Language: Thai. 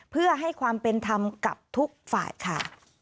เพื่อให้ความเป็นธรรมกับทุกฝ่ายค่ะ